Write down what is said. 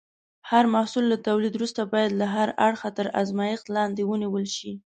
هر محصول له تولید وروسته باید له هر اړخه تر ازمېښت لاندې ونیول شي.